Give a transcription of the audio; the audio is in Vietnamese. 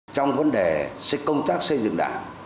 trong vấn đề công tác xây dựng đảng